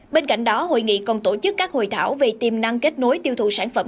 bên cạnh đó hội nghị còn tổ chức các hội thảo về tiềm năng kết nối tiêu thụ sản phẩm